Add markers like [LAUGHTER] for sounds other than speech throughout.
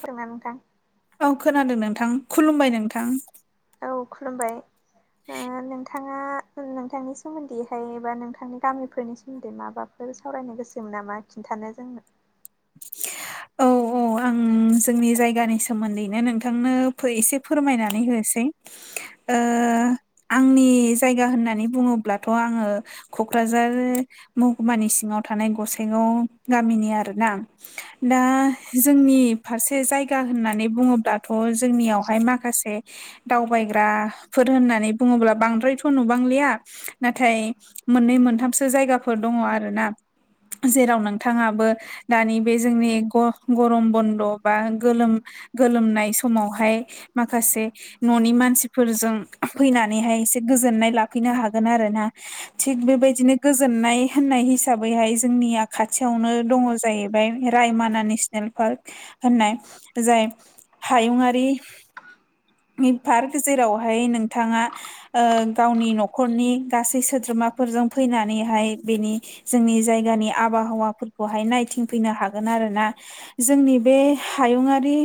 फोरोंना नोंथां औ खोनादों नोंथां खुलुमबाय नोंथां। औ खुलुमबाय ओ नोंथांङा नोंथांनिसि। सोमोन्दैहाय बा नोंथांनि गामिफोरनि सोमोन्दै माबाफोर सावरायनो गोसोमोन नामा खिन्थानो जोंनो। औ औ आं जोंनि जायगानि सोमोन्दैनो नोंथां। थांनो फै एसे फोरमायनानै होनोसै। ओ आंनि जायगा होननानै बुङोब्लाथ' आङो क'क्राझार महकुमानि सिङाव थानाय गसाइगाव गामिनि आरोना। [INAUDIBLE] दा जोंनि फारसे जायगा होननानै बुङोब्लाथ' जोंनियावहाय माखासे दावबायग्राफोर होननानै बुङोब्ला बांद्रायथ' नुबांलिया, नाथाय मोननै मोनथामसो जायगाफोर दङ आरो ना, जेराव नोंथांङाबो दानि बे जोंनि गरम बन्द' बा गोलोम गोलोमनाय समावहाय। माखासे। न'नि मानसिफोरजों फैनानैहाय एसे गोजोननाय लाफैनो हागोन आरो ना। थिग बेबायदिनो गोजोननाय होननाय हिसाबैहाय जोंनिया खाथियावनो दङ। जाहैबाय रायमना नेसिनेल पार्क होननाय जाय हायुंङारिनि पार्क जेरावहाय नोंथांङा ओ गावनि न'खरनि गासै सोद्रोमा फोरजों फैनानैहाय बेनि जोंनि जायगानि आबहावाफोरखौहाय नाय थिंफैनो हागोन आरोना, जोंनि बे हायुङारि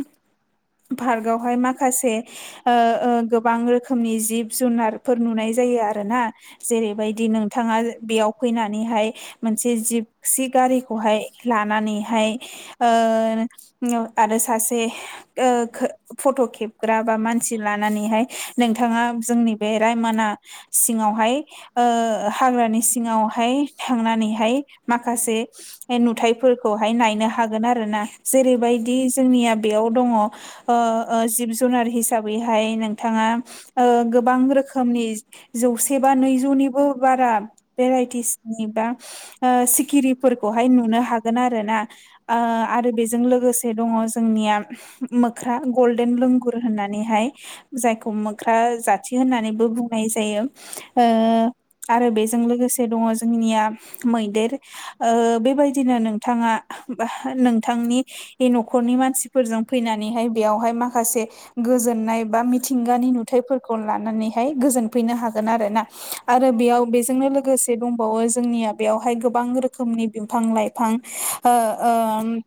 पार्कआवहाय माखासे ओ ओ गोबां रोखोमनि जिब जुनारफोर नुनाय जायो आरो ना। जेरैबायदि नोंथाङा बेयाव फैनानैहाय मोनसे जिबसि गारिखौहाय लानानैहाय ओ आरो सासे ओ फट' खेबग्रा बा मानसि लानानैहाय नोंथाङा जोंनि बे रायमना सिङावहाय ओ हाग्रानि सिङावहाय थांनानैहाय माखासे नुथायाइफोरखौहाय नायनो हागोन आरो ना, जेरैबायदि जोंनिया बेयाव दङ ओ ओ जिब जुनार हिसाबैहाय नोंथाङा ओ गोबां रोखोमनि। जौसे बा नैजौनिबो बारा भेराइटिसनि बा ओ सिखिरिफोरखौहाय नुनो हागोन आरो ना। ओ आरो बेजों लोगोसे दङ जोंनिया। मोख्रा गल्डेन लोंगुर होननानैहाय। जायखौ मोख्रा जाथि होननानैबो बुंनाय जायो ओ आरो बेजों लोगोसे दङ जोंनिया मैदेर ओ बेबायदिनो नोंथाङा नोंथांनि बे न'खरनि मानसिफोरजों फैनानैहाय बेयावहाय माखासे गोजोननाय बा मिथिंगानि नुथाइफोरखौ लानानैहाय गोजोनफैनो हागोन आरो ना आरो बेयाव बेजोंनो लोगोसे दंबावो जोंनिया बेयावहाय गोबां रोखोमनि बिफां लाइफां ओ ओ ओ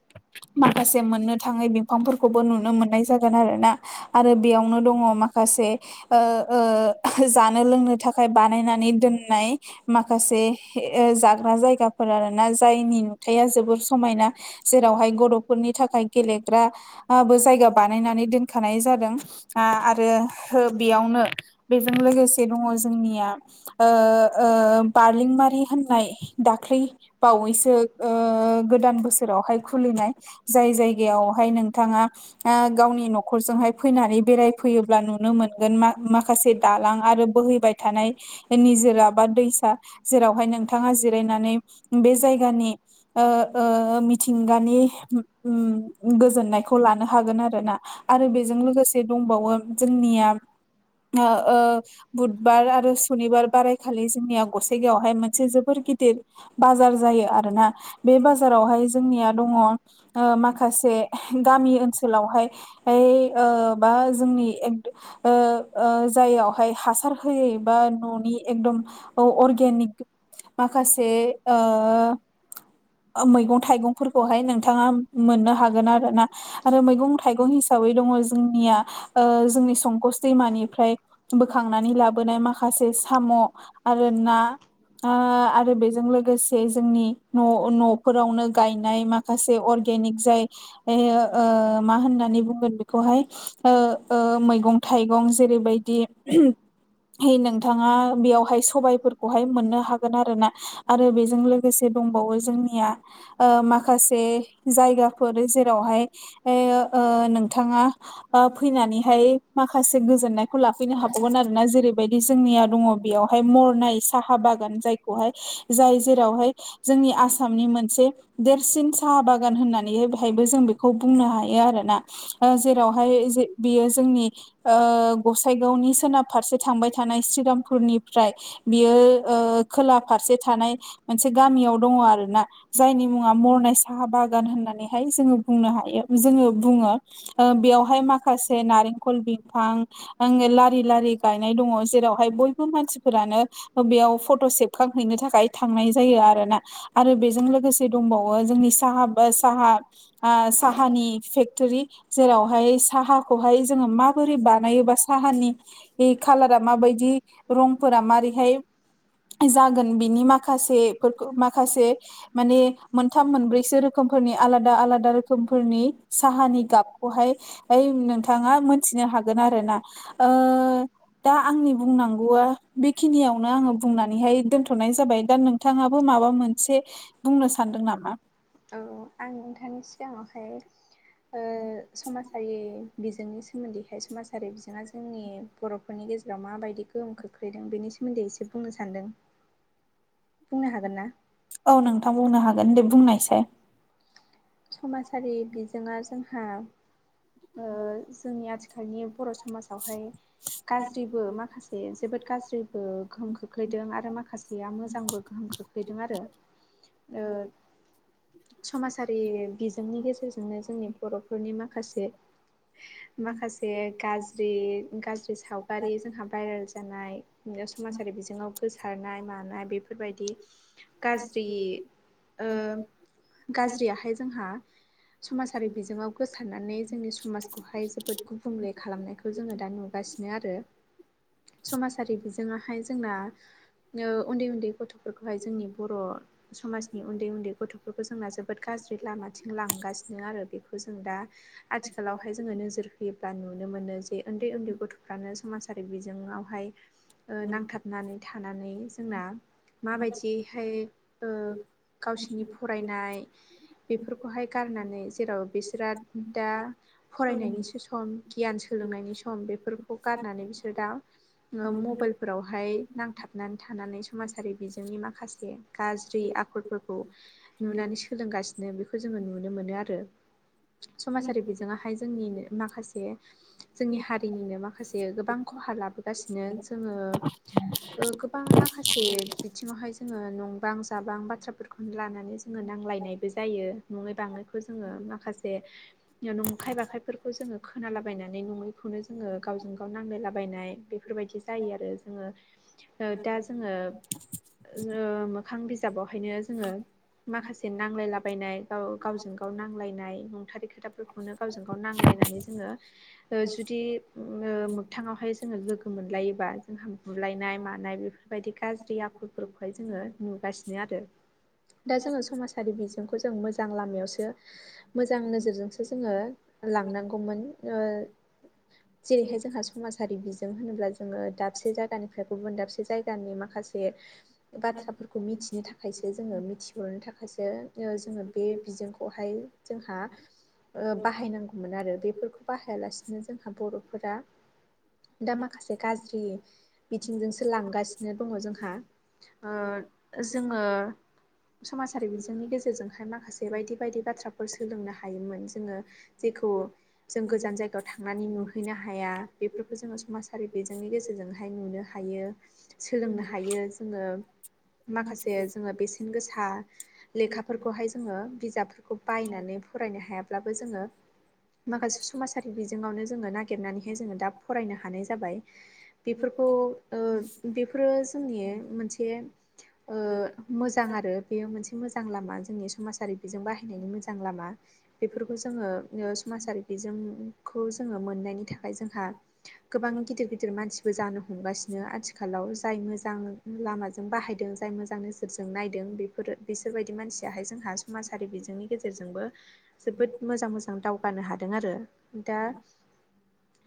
माखासे मोननो थाङै बिफांफोरखौबो नुनो मोननाय जागोन आरो ना। आरो बेयावनो दङ माखासे जानो लोंनो थाखाय। बानायनानै दोननाय माखासे जाग्रा जायगाफोर आरो मोना जायनि नुथाया जोबोर समायना जेरावहाय ग'फोरनि थाखाय गेलेग्रा आ बो जायगा बानायनानै दोनखानाय जादों। आरो बेयावनो बेजों लोगोसे दङ जोंनिया ओ ओ बारलिंमारि होननाय दाख्लै बावैसो गोदान बोसोरावहाय खुलिनाय जाय जायगायावहाय नोंथाङा गावनि न'खरजोंहाय फैनानै बेरायफैयोब्ला नुनो मोनगोन माखासे दालां आरो बोहै बाय थानाय निजोरा बा दैसा जेरावहाय नोंथाङा जिरायनानै बे जायगानि मिथिंगानि गोजोननायखौ लानो हागोन आरो ना आरो बेजों लोगोसे दंबावो जोंनिया बुधबार आरो सुनिबार बारायखालि जोंनिया गसाइगावयावहाय मोनसे जोबोर गिदिर बाजार जायो आरोना बे बाजारावहाय जोंनिया दङ माखासे गामि ओनसोलावहाय बा जोंनि जायाआवहाय हासार होयै बा न'नि एकदम औ अर्गेनिक माखासे मैगं थाइगंफोरखौहाय नोंथाङा मोननो हागोन आरो ना आरो मैगं थाइगं हिसाबै दङ जोंनिया जोंनि संकस दैमानिफ्राय बोखांनानै लाबोनाय माखासे साम' आरो ना आरो बेजों लोगोसे जोंनि न' न'फोरावनो गायनाय माखासे अर्गेनिक जाय एओ मा होननानै बुंगोन ओ ओ बेखौहाय मैगं थाइगं जेरैबायदि है नोंथाङा बेयावहाय सबायाइफोरखौहाय मोननो हागोन आरो ना आरो बेजों लोगोसे दंबावो जोंनिया माखासे जायगाफोर जेरावहाय नोंथाङा फैनानैहाय माखासे गोजोननायखौ लाफैनो हाबावगोन आरोना जेरैबायदि जोंनिया दङ बेयावहाय मरनाय साहा बागान जायखौहाय जाय जेरावहाय जोंनि आसामनि मोनसे देरसिन साहा बागान होननानै बेहायबो जों बेखौ बुंनो हायो आरोना जेरावहाय बेयो जोंनि ओ गसाइगावनि सोनाब फारसे थांबाय थानाय श्रीरामपुरनिफ्राय बियो खोला फारसे थानाय मोनसे गामियाव दङ आरो ना जायनि मुङा मरनाय साहा बागान होननानैहाय जोङो बुंनो हायो जोङो बुङो बेवहाय माखासे नारेंखल बिफां आ लारि लारि गायनाय दङ जेरावहाय बयबो मानसिफोरानो बेयाव फट' सेबखां हैैनो थाखाय थाखाय थांनाय जायो आरोना आरो बेजों लोगोसे दंबावो जोंनि साहा बा साहा आ साहानि फेक्टरि जेरावहाय साहाखौहाय जोङो माबोरै बानायोबा साहानि बे खालारा माबायदि रंफोरा मारैहाय जागोन बिनि माखासेफोरखौ माखासे माने मोनथाम मोनब्रैसो रोखोमफोरनि आलादा आलादा रोखोमफोरनि साहानि गाबखौहाय ओइ नोंथाङा मोनथिनो हागोन आरो ना ओ दा आंनि बुंनांगौआ बेखिनियावनो आङो बुंनानैहाय दोनथ' थ'नाय जाबाय दा नोंथाङाबो माबा मोनसे बुंनो सानदों नामा? औ आं नोंथांनि सिगाङावहाय समाजारि बिजोंनि सोमोन्दैहाय समाजारि बिजोङा जोंनि बर'फोरनि गेजेराव माबायदि गोहोम खो गोख्रैदों बेनि सोमोन्दै एसे बुंनो सान्दों बुंनो हागोन ना औ नोंथां बुंनो हागोन दे बुंनायसै समाजारि बिजोङा जोंहा ओ जोंनि आथिखालनि बर' समाजावहाय गाज्रिबो माखासे जोबोद गाज्रि ओ गोहोम खोख्लैदों आरो माखासे या मोजांबो गोहोम खोख्लैदों आरो समाजारि बिजोंनि गेजेरजोंनो जोंनि बर'फोरनि माखासे माखासे गाज्रि गाज्रि सावगारि जोंहा भाइरेल जानाय समाजारि बिजोङाव गोसारनाय मानाय बेफोरबायदि गाज्रि ओ गाज्रियाहाय जोंहा समाजारि बिजोङाव गोसारनानै जोंनि समाजखौहाय जोबोद गुबुंले खालामनायखौ जोङो दा नुगासि आरो समाजारि बिजोहाय जोंना उन्दै उन्दै गथ'फोरखौहाय जोंनि बर' समाजनि उन्दै उन्दै गथ'फोरखौ जोंना जोबोद गाज्रि लामाथिं लांगासिनो आरो बेखौ जों दा आथिखालावहाय जोङो नोजोर होयोब्ला नुनो मोनो। उन्दै उन्दै गथ'फ्रानो समाजारि बिजोवहाय ओ नांथाब नानै थानानै जोंना माबायदिहाय ओ गावसिनि फरायनाय बेफोरखौहाय गारनानै जेराव बिसोरो दा फरायनायनि सोस सम गियान सोलोंनायनि सम बेफोरखौ गारनानै बिसोर दा मबाइलफोरावहाय नांथाबनानै थानानै समाजारि बिजोंनि माखासे गाज्रि आखलफोरखौ नुनानै सोलोंगासिनो बेखौ जोङो नुनो मोनो आरो समाजारि बिज जोङाहाय माखासे जोंनि हारिनिनो माखाससे गोबां खहा लाबो नो जोङो गोबां माखासे बिथिङावहाय ज जोङो नंबां जाबां बाथ्राफोरखौ लानानै जोङो नांजलायनाय बो जायो नङै बांनायखौ जोङो माखासे नंखाय बाखायफोरखौ जोङो खोनालाबायनानै नङैखौनो जोङो गावजों गाव नांलायलाबायनाय बेफोरबायदि जायो आरो जोङो ओ दा ओङो ओ मोखां बिजाबावनो जोङो माखासे नांलायला थाबायनाय गाव गावजों गाव नांलायनाय नंथारै खोथाफोरखौनो गावजों गाव नांलायनानै जोङो ओ जुदि ओ मोगथाङावहाय ज जोङो लोगो मोनलायोबा जोंहा बुलायनाय मानाय बेफोरबायदि गाज्रि आखलफोरखौहाय जोङो नुगासिनो आरो दा जोङो समाजारि बिजोंखौ जों मोजां लामायावसो मोजां नोजोरजोंसो जोङो लांनांगौमोन जेरैहाय जोंहा समाजारि बिजों होनोब्ला जोङो दाबसे जायगानिफ्राय गुबुन दाबसे जायगानि माखासे बाथ्राफोरखौ मिथिनो थाखायसो जोङो मिथिहरनो थाखायसो ओ जोङो बे बिजोंखौहाय जोंहा ओ बाहायनांगौमोन आरो बेफोरखौ बाहायालासिनो जोंहा बर'फोरा दा माखासे गाज्रि बिथिंजोंसो लांगासिनो दङ जोंहा ओ जोङो समाजारि बिजोंनि गेजेरजोंहाय माखासे बायदि बायदि बाथ्राफोर सोलोंनो हायोमोन जोङो जेखौ जों गोजान जायगायाव थांनानै नुहैनो हाया बेफोरखौ जोङो समाजारि बिजोंनि गेजेरजों जोंहाय नुनो हायो सोलोंनो हायो जोङो माखासे जोङो बेसेन गोसा लेखाफोरखौहाय जोङो बिजाबफोरखौ बायनानै फरायनो हायाब्लाबो जोङो माखासे समाजारि बिजोङावनो जोङो नागिरनानैहाय जोङो दा फरायनो हानाय जाबाय। बेफोरखौ ओ बेफोरो जोंनि मोनसे ओ मोजां आरो बेयो मोनसे मोजां लामा जोंनि समाजारि बेजों बाहायनायनि मोजां लामा। बेफोरखौ जोङो समाजारि बिजोंखौ जोङो मोननायनि थाखाय जोंहा गोबां गिदिर गिदिर मानसिबो जानो हमगासिनो आथिखालाव जाय मोजां लामाजों बाहायदों जाय मोजां नोजोरजों नायदों बेफोरो बिसोरबायदि मानसियाहाय जोंहा समाजारि बिजोंनि गेजेरजोंबो जोबोद मोजां मोजां दावगानो हादों आरो दा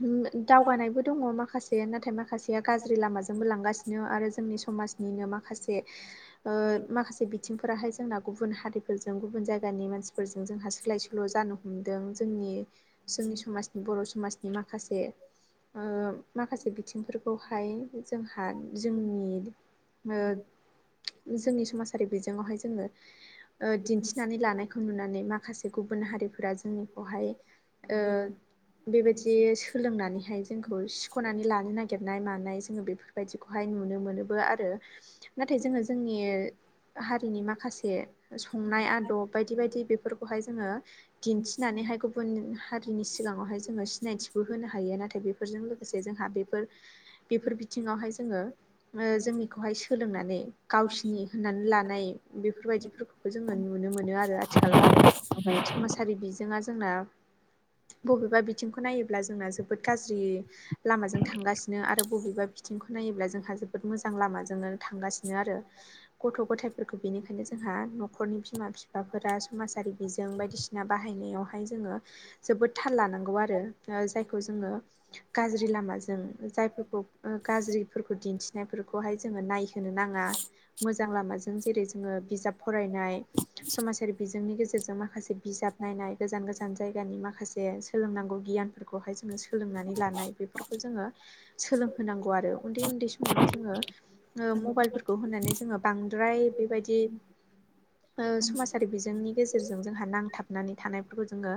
उम दावगानायबो दङ माखासे नाथाय माखासेया गाज्रि लामाजोंबो लांगासिनो आरो जोंनि समाजनिनो माखासे ओ माखासे सुबुं फोराहाय जोंना गुबुन हारिफोरजों गुबुन जायगानि मानसिफोरजों जोंहा सोलाय सोल' जानो हमदों जोंनि जोंनि समाज बर' समाजनि माखासे ओ माखासे बिथिंफोरखौहाय जोंहा जोंनि ओ जोंनि समाजारि बेवहाय जोङो दिन्थि लानायखौ नुनानै माखासे जे गुबुन हारिफोरा जोंनिखौहाय ओ बेबायदि सोलोंनानैहाय जोंखौ सुख'नानै लानो नागिरनाय मानाय जोङो बेफोरबायदिखौहाय नुनो मोनोबो आरो नाथाय जोङो जोंनि हारिनि माखासे संनाय आदब बायदि बायदि बेफोरखौहाय जोङो दिन्थिनानैहाय गुबुन हारिनि सिगाङावहाय जोङो सिनायथिबो होनो हायो नाथाय बे फोरजों लोगोसे जोंहा बेफोर बेफोर बिथिङावहाय जोङो ओ जोंनिखौहाय सोलोंनानै गावसिनि होननानै ला नाय बेफोरबायदिफोरखौबो जोङो नुनो मोनो आरो आथिखालावहाय समाजारि जोङा जोंना बबेबा बिथिंखौ नायोब्ला जोंना जोबोद गाज्रि लामाजों थांगासिनो आरो बबेबा बिथिंखौ नायोब्ला जोंहा जोबोद मोजां लामाजोंनो थांगासिनो आरो गथ' गथाय बेनिखायनो जोंहा न'खरनि बिमा बिफाफोरा समाजारि बिजों बायदिसिना बाहायनायावहाय जोङो जोबोद थाल लानांगौ आरो जायखौ जोङो गाज्रि लामाजों जायफोरखौ गाज्रिफोरखौ दिन्थिनायफोरखौहाय जोङो नाय होनो नाङा मोजां लामाजों जेरै जोङो बिजाब फरायनाय समाजारि बिजोंनि गेजेरजों माखासे बिजाब नायनाय गोजान गोजान जायगानि माखासे सोलोंनांगौ गियानफोरखौहाय जोङो सोलोंनानै लानाय बे बेफोरखौ जोङो सोलोंहोनांगौ आरो उन्दै उन्दै समावनो जोङो मबाइलफोरखौ होननानै जोङो बांद्राय बेबायदि ओ समाजारि बिजोंनि गेजेर रजों जोंहा नांथाबनानै थानायफोरखौ जोङो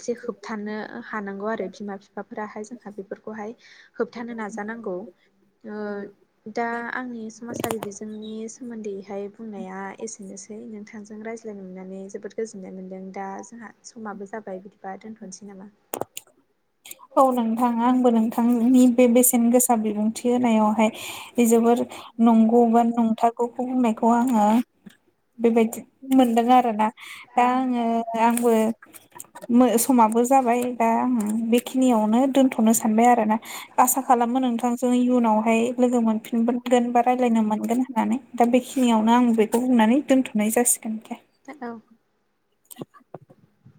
एसे होबथानो हानांगौ आरो बिमा बिफाफोराहाय जोंहा बेफोरखौहाय होबथानो नाजानांगौ ओ दा आंनि समाजारि बिजोंनि सोमोन्दैहाय बुंनाया एसेनोसै नोंथांजों रायज्लाय मोननानै जोबोद गोजोननाय मोन्दों दा जोंहा समाबो जाबाय बिदिबा दोनथ'नोसै नामा? औ नोंथाङा आंबो नोंथांनि बे बेसेन गोसा बिबुंथि होनायावहाय जोबोर नंगौ बा नंथारगौखौ बुंनायखौ आङो बेबायदि मोनदों आरोना दा औ आङो आंबो समाबो जाबाय दा आं बेखिनियावनो दोन्थ'नो सानबाय आरो ना आसा खालामो नोंथांजों इयुनावहाय लोगो मोनफिन मोनगोन बा रायज्लायनो मोनगोन होननानै दा बेखिनियावनो आं बेखौ बुंनानै दोनथ'नाय जासिगोन दे औ [INAUDIBLE]